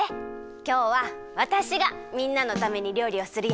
きょうはわたしがみんなのためにりょうりをするよ。